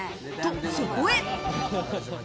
と、そこへ。